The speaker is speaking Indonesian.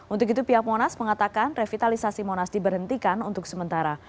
untuk itu pihak monas mengatakan revitalisasi monas diberhentikan untuk sementara